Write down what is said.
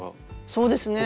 そうですね。